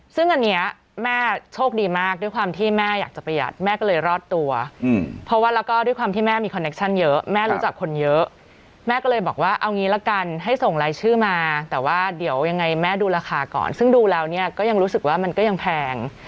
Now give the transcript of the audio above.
ซึ่งอันนี้แม่โชคดีมากด้วยความที่แม่อยากจะประหยัดแม่ก็เลยรอดตัวเพราะว่าแล้วก็ด้วยความที่แม่มีคอนเคชั่นเยอะแม่รู้จักคนเยอะแม่ก็เลยบอกว่าเอางี้ละกันให้ส่งรายชื่อมาแต่ว่าเดี๋ยวยังไงแม่ดูราคาก่อนซึ่งดูแล้วเนี่ยก็ยังรู้สึกว่ามันก็ยังแพง